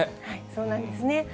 そうなんですね。